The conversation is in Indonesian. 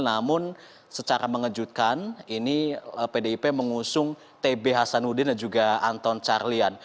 namun secara mengejutkan ini pdip mengusung tb hasanuddin dan juga anton carlian